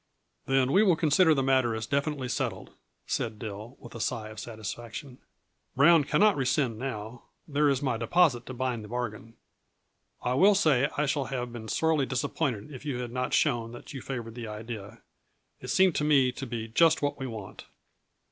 "Then, we will consider the matter as definitely settled," said Dill, with a sigh of satisfaction. "Brown cannot rescind now there is my deposit to bind the bargain. I will say I should have been sorely disappointed if you had not shown that you favored the idea. It seems to me to be just what we want."